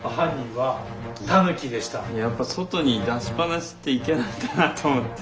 外に出しっぱなしっていけないんだなと思って。